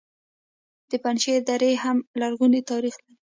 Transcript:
د پنجشیر درې هم لرغونی تاریخ لري